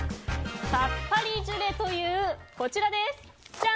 さっぱりジュレというこちら。